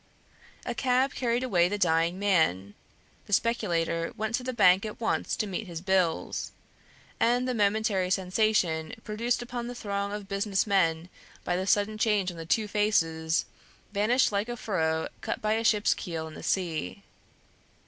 A cab carried away the dying man; the speculator went to the bank at once to meet his bills; and the momentary sensation produced upon the throng of business men by the sudden change on the two faces, vanished like the furrow cut by a ship's keel in the sea.